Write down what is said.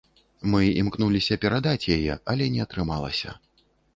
Мы імкнуліся перадаць яе, але не атрымалася.